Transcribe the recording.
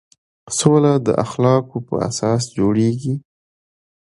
سوله د اخلاقو په اساس جوړېږي.